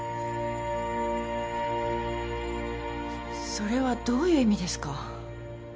それはどういう意味ですか？